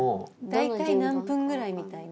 大体何分ぐらいみたいな。